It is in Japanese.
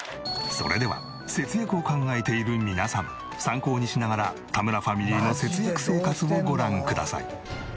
それでは節約を考えている皆さん参考にしながら田村ファミリーの節約生活をご覧ください。